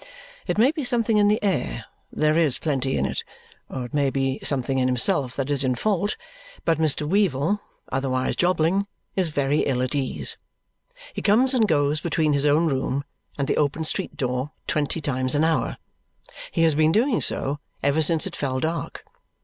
It may be something in the air there is plenty in it or it may be something in himself that is in fault; but Mr. Weevle, otherwise Jobling, is very ill at ease. He comes and goes between his own room and the open street door twenty times an hour. He has been doing so ever since it fell dark.